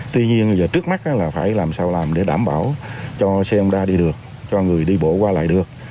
tuy nhiên giờ trước mắt là phải làm sao làm để đảm bảo cho xe hông đa đi được cho người đi bộ qua lại được